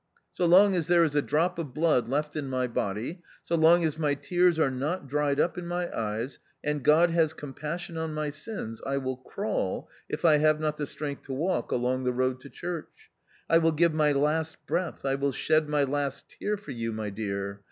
So long as there is a drop of blood left in my body, so long as my tears are not dried up in my eyes, and God has compassion on my sins, I will crawl, if I have not the strength to walk, along the road to church. I will give my last breath, I will shed my last tear for you, my dear.